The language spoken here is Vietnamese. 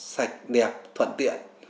sạch đẹp thuận tiện